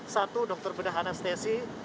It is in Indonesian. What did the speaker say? satu dokter bedah anestesi